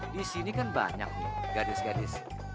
di sini kan banyak nih gadis gadis